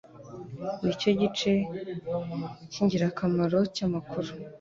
Nicyo gice cyingirakamaro cyamakuru.